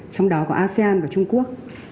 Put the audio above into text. trong đó có asean và trung quốc